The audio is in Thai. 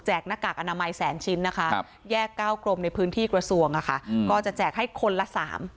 หน้ากากอนามัยแสนชิ้นนะคะแยก๙กรมในพื้นที่กระทรวงก็จะแจกให้คนละ๓